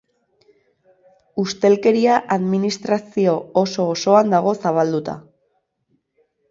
Ustelkeria administrazio oso-osoan dago zabalduta.